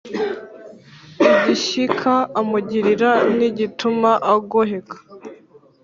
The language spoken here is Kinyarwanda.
igishyika amugirira ntigituma agoheka: